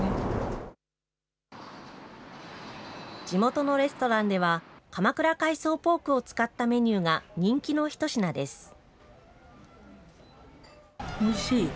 地元のレストランでは、鎌倉海藻ポークを使ったメニューが人気の一品です。